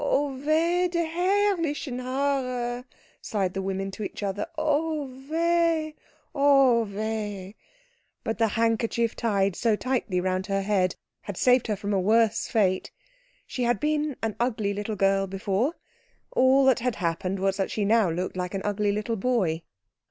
"Oh Weh, die herrlichen Haare!" sighed the women to one another, "Oh Weh, oh Weh!" But the handkerchief tied so tightly round her head had saved her from a worse fate; she had been an ugly little girl before all that had happened was that she looked now like an ugly little boy.